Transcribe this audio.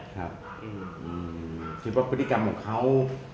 ครับอืมจริงป่ะพฤติกรรมของเขา